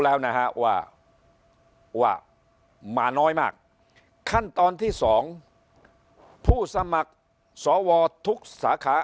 แล้วนะฮะว่าว่ามาน้อยมากขั้นตอนที่สองผู้สมัครสวทุกสาขา